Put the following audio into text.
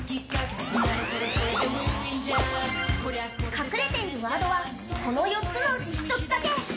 隠れているワードはこの４つのうち１つだけ。